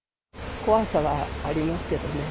怖さはありますけどね。